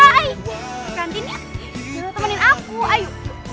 rantinya udah temenin aku ayo